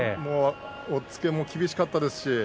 押っつけも厳しかったですし